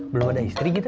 belum ada istri gitu